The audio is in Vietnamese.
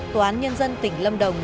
tòa nhân dân tỉnh lâm đồng